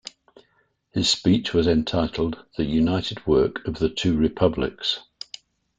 His speech was entitled The United Work of the Two Republics.